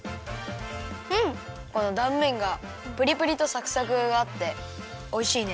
このだんめんがプリプリとサクサクがあっておいしいね。